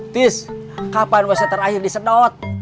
tis kapan bisa terakhir disedot